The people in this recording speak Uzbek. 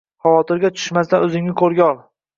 xavotirga tushmasdan, o‘zingni qo‘lga ol.